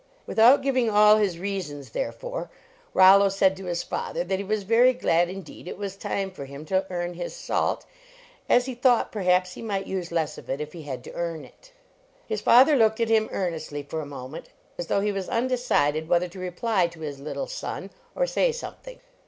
Without giving all his reasons, therefore, 43 LEARNING TO WORK Rollo said to his father that he was very glad indeed it was time for him to earn his salt, as he thought, perhaps, he might use less of it if he had to earn it. His father looked at him earnestly for a moment, as though he was undecided whether to reply to his little son, or say something.